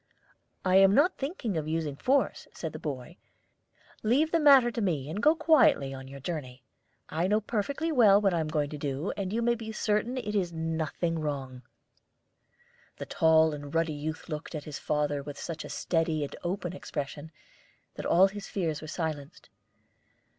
"I am not thinking of using force," said the boy. "Leave the matter to me, and go quietly on your journey. I know perfectly well what I am going to do, and you may be certain that it is nothing wrong." The tall and ruddy youth looked at his father with such a steady and open expression that all his fears were silenced.